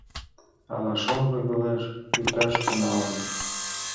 — Ала шоҥго велеш кӱпаш тӱҥалын?